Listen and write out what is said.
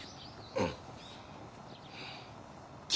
うん。